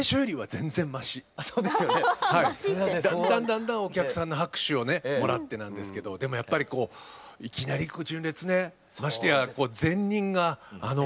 だんだんだんだんお客さんの拍手をねもらってなんですけどでもやっぱりこういきなり純烈ねましてや前任があの小田井さんだったんで。